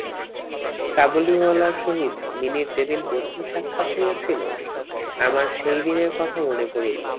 কাবুলিওয়ালার সহিত মিনির যেদিন প্রথম সাক্ষাৎ হইয়াছিল, আমার সেই দিনের কথা মনে পড়িল।